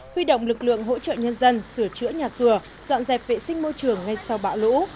huy động lực lượng hỗ trợ nhân dân sửa chữa nhà cửa dọn dẹp vệ sinh môi trường ngay sau bão lũ